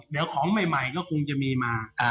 เดี๋ยวของใหม่ก็คงจะมีมา